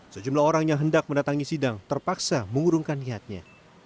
sejumlah orang yang hendak mendatangi sidang terpaksa mengurungkan niatnya